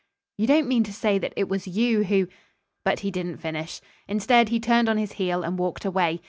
"You don't mean to say that it was you who " But he didn't finish. Instead, he turned on his heel and walked away.